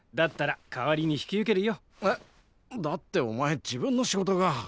だってお前自分の仕事が。